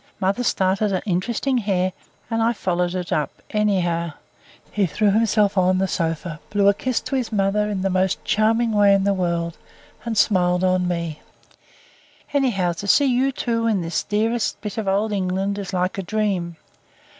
Mother started an interesting hare, and I followed it up. Anyhow " he threw himself on the sofa, blew a kiss to his mother in the most charming way in the world, and smiled on me "anyhow, to see you two in this dearest bit of dear old England is like a dream.